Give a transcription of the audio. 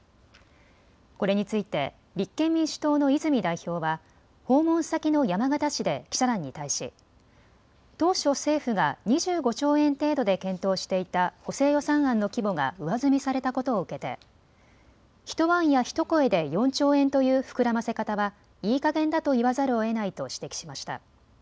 これについて立憲民主党の泉代表は訪問先の山形市で記者団に対し当初、政府が２５兆円程度で検討していた補正予算案の規模が上積みされたことを受けて一晩や一声で４兆円という膨らませ方はいいかげんだと言わざるをえないと指摘しました。